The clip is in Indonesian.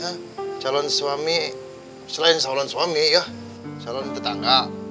karena calon suami selain calon suami ya calon tetangga